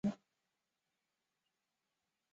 母苗氏。